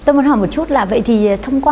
tôi muốn hỏi một chút là vậy thì thông qua